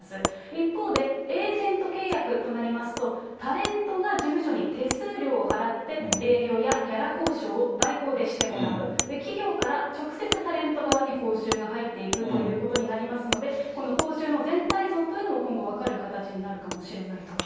一方で、エージェント契約となりますと、タレントが事務所に手数料を払って、営業やギャラ交渉を代行でしてもらう。企業から直接タレント側に報酬が入っていくということになりますので、この報酬の全体像というのも、今後分かる形になるかもしれないと。